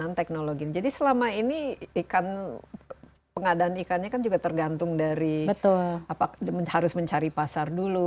dan teknologi jadi selama ini pengadaan ikannya kan juga tergantung dari harus mencari pasar dulu